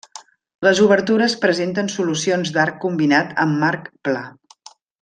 Les obertures presenten solucions d'arc combinant amb marc pla.